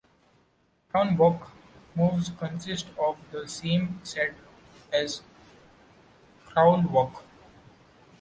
Crown Walk moves consist of the same set as Clown Walk.